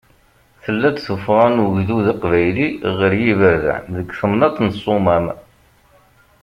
Tella-d tuffɣa n ugdud aqbayli ɣer yiberdan deg temnaḍt n Ssumam.